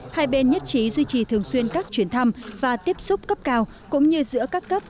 hai bên nhất trí duy trì thường xuyên các chuyến thăm và tiếp xúc cấp cao cũng như giữa các cấp